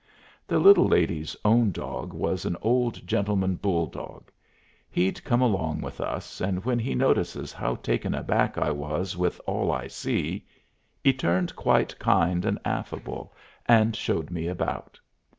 The little lady's own dog was an old gentleman bull dog. He'd come along with us, and when he notices how taken aback I was with all I see, 'e turned quite kind and affable and showed me about.